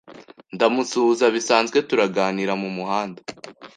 ndamusuhuza bisanzwe turaganira mu muhanda